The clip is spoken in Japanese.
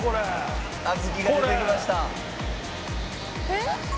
えっ？